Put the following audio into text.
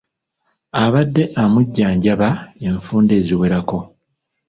Abadde amujjanjaba enfunda eziwerako.